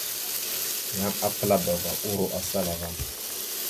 Yan apəlabava uro asala ava.